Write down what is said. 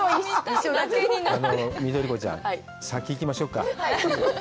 緑子ちゃん、先、行きましょうか。